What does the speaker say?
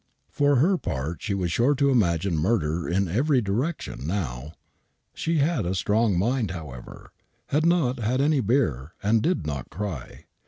For her part she was sure to imagine murder in every direction now. She had a strong mind, however, had not had any beer,, and did not cry.